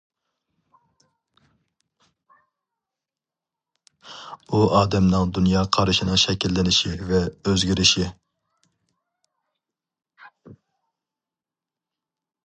ئۇ ئادەمنىڭ دۇنيا قارىشىنىڭ شەكىللىنىشى ۋە ئۆزگىرىشى.